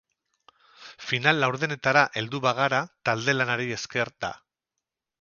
Final laurdenetara heldu bagara talde-lanari esker da.